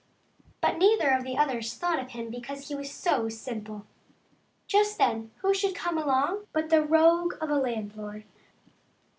But neither of the others thought of him because he was so simple. Just then who should come along but the rogue of a landlord.